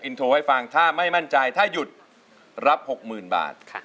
อินโทรให้ฟังถ้าไม่มั่นใจถ้าหยุดรับหกหมื่นบาทค่ะ